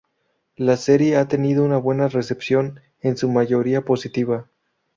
La serie ha tenido una buena recepción, en su mayoría positiva.